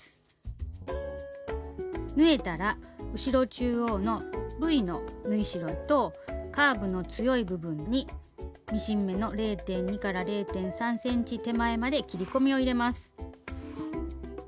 縫えたら後ろ中央のＶの縫い代とカーブの強い部分にミシン目の０．２０．３ｃｍ手前まで切り込みを入れます。